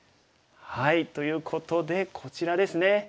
ということでこちらですね。